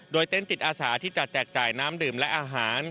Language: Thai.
โดยเต้นจิตอาสาที่จะแจกจ่ายน้ำดื่มและอาหาร